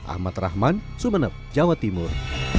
ahmad rahman sumeneb jawa timur